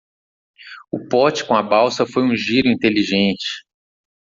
O pote com a balsa foi um giro inteligente.